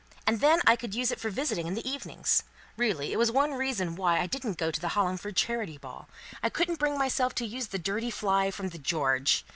And then I could use it for visiting in the evenings. Really it was one reason why I didn't go to the Hollingford Charity Ball. I couldn't bring myself to use the dirty fly from the 'George.'